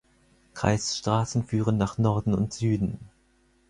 Kreisstraßen führen nach Norden und Süden.